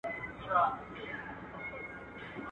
ناک او مڼې یو ځای کرل کېږي.